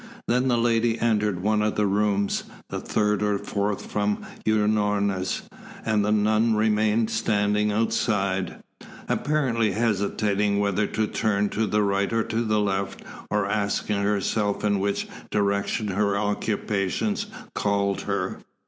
Then the lady entered one of the rooms, the third or the fourth from Unorna's, and the nun remained standing outside, apparently hesitating whether to turn to the right or to the left, or asking herself in which direction her occupations called her.